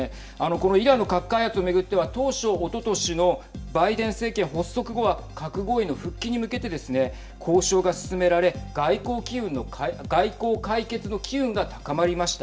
このイランの核開発を巡っては当初、おととしのバイデン政権発足後は核合意の復帰に向けてですね交渉が進められ外交解決の機運が高まりました。